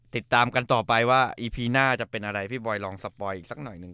ติดตามกันต่อไปว่าอีพีหน้าจะเป็นอะไรพี่บอยลองสปอยอีกสักหน่อยหนึ่ง